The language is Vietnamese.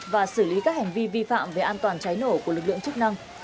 và xử lý các hành vi vi phạm về an toàn cháy nổ của lực lượng chức năng